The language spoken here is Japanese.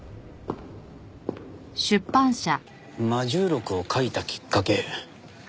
『魔銃録』を書いたきっかけ。